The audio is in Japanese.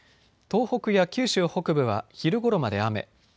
東北や九州北部は昼ごろまで雨。